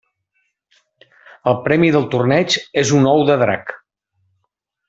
El premi del torneig és un ou de drac.